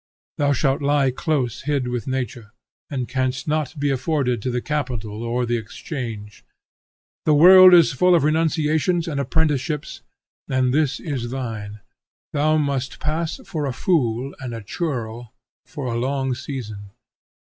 Thou shalt lie close hid with nature, and canst not be afforded to the Capitol or the Exchange. The world is full of renunciations and apprenticeships, and this is thine: thou must pass for a fool and a churl for a long season.